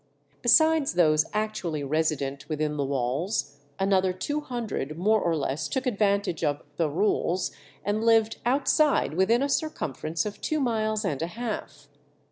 Besides those actually resident within the walls, another two hundred more or less took advantage of "the rules," and lived outside within a circumference of two miles and a half.